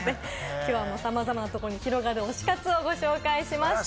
きょうは、さまざまなところに広がる推し活をご紹介しました。